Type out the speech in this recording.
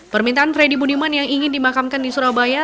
permintaan freddy budiman yang ingin dimakamkan di surabaya